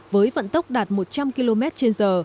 với vận tốc đạt một trăm linh km trên giờ